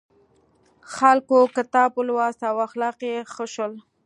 خلکو کتاب ولوست او اخلاق یې ښه شول.